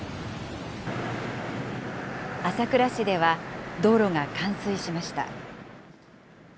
朝倉市では道路が冠水しました。